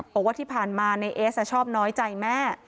บอกว่าที่ผ่านมาในเอสชอบน้อยใจแม่